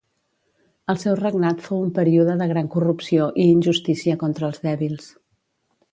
El seu regnat fou un període de gran corrupció i injustícia contra els dèbils.